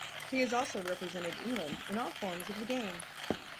He has also represented England in all forms of the game.